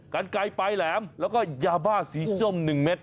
กันไกลปลายแหลมแล้วก็ยาบ้าสีส้ม๑เม็ด